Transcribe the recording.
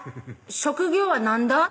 「職業は何だ？」